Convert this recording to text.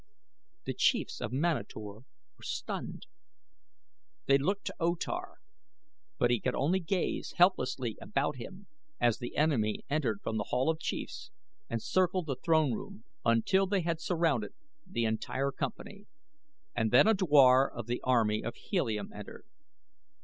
The chiefs of Manator were stunned. They looked to O Tar; but he could only gaze helplessly about him as the enemy entered from The Hall of Chiefs and circled the throne room until they had surrounded the entire company. And then a dwar of the army of Helium entered.